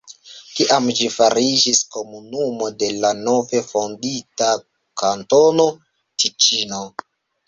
Tiam ĝi fariĝis komunumo de la nove fondita Kantono Tiĉino.